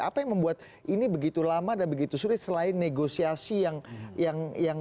apa yang membuat ini begitu lama dan begitu sulit selain negosiasi yang